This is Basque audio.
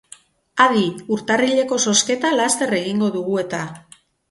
Adi, urtarrileko zozketa laster egingo dugu eta!